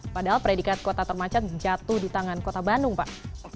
padahal predikat kota termacet jatuh di tangan kota bandung pak